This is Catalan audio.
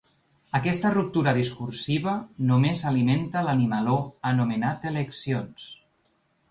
Aquesta ruptura discursiva només alimenta l’animaló anomenat eleccions.